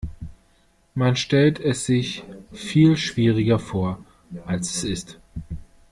Man stellt es sich viel schwieriger vor, als es ist.